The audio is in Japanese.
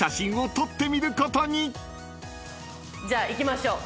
じゃあいきましょう。